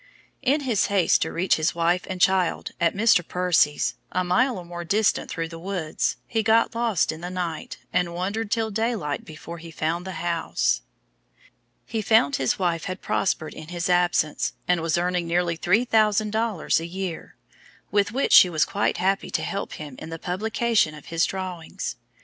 In his haste to reach his wife and child at Mr. Percy's, a mile or more distant through the woods, he got lost in the night, and wandered till daylight before he found the house. He found his wife had prospered in his absence, and was earning nearly three thousand dollars a year, with which she was quite ready to help him in the publication of his drawings.